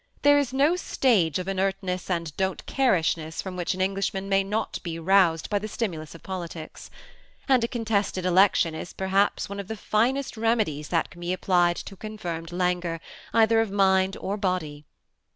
There is no stage of inertness and don't carishness from which an Englishman may not be roused by the stimulus of poli tics; and a contested election is perhaps one of the finest r^nedies that can be applied to a confirmed languor, either of mind or body.